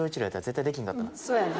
そうやんな。